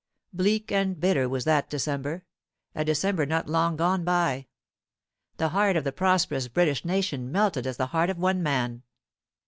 Bleak and bitter was that December, a December not long gone by. The heart of the prosperous British nation melted as the heart of one man.